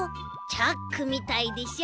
チャックみたいでしょ？